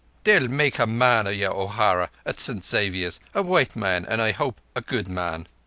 "They'll make a man o' you, O'Hara, at St Xavier's—a white man, an', I hope, a good man.